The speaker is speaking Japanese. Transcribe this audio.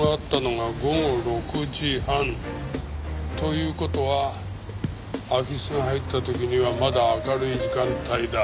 という事は空き巣が入った時にはまだ明るい時間帯だ。